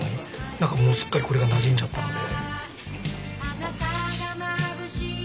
何かもうすっかりこれがなじんじゃったので。